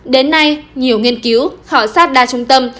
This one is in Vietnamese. đến nay nhiều nghiên cứu khảo sát đa trung tâm